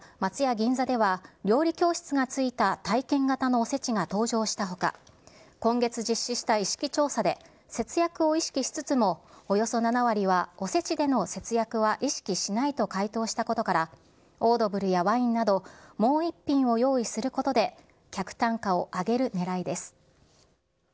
銀座では、料理教室がついた体験型のおせちが登場したほか、今月実施した意識調査で、節約を意識しつつも、およそ７割はおせちでの節約は意識しないと回答したことから、オードブルやワインなど、もう一品を用意することで、客単価を上げるねらいです。